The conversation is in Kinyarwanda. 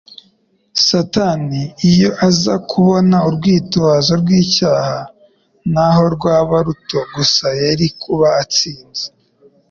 Satani iyo aza kubona urwitwazo rw'icyaha naho rwaba ruto gusa, yari kuba atsinze,